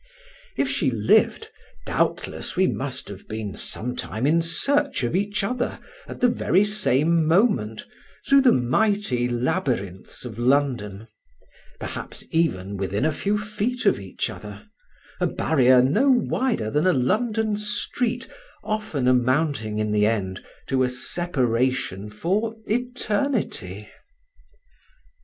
If she lived, doubtless we must have been some time in search of each other, at the very same moment, through the mighty labyrinths of London; perhaps even within a few feet of each other—a barrier no wider than a London street often amounting in the end to a separation for eternity!